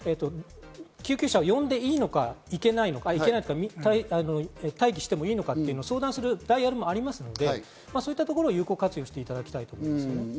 救急車を呼んでいいのか、いけないのか、待機してもいいのか、相談するダイヤルがありますので、そういったところを有効活用していただきたいです。